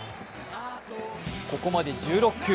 ここまで１６球。